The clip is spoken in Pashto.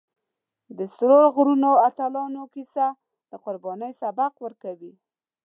د سرو غرونو اتلانو کیسه د قربانۍ سبق ورکوي.